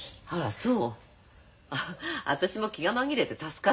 そう？